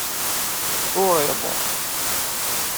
Urid